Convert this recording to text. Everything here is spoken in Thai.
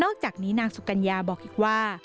จากนี้นางสุกัญญาบอกอีกว่า